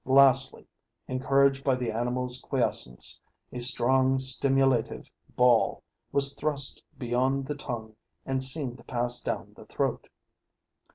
Lastly, encouraged by the animal's quiescence, a strong stimulative ball was thrust beyond the tongue and seen to pass down the throat.